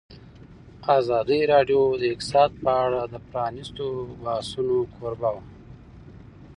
ازادي راډیو د اقتصاد په اړه د پرانیستو بحثونو کوربه وه.